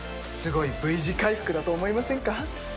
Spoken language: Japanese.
すごいＶ字回復だと思いませんか？